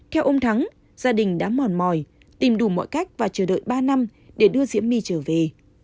theo ông thắng gia đình đã mòn mòi tìm đủ mọi cách và chờ đợi ba năm để đưa diễm my trở về